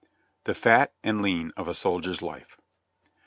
THE FAT AND LEAN OF A SOLDIER'S LIFE.